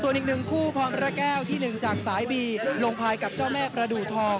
ส่วนอีกหนึ่งคู่พรพระแก้วที่๑จากสายบีลงพายกับเจ้าแม่ประดูทอง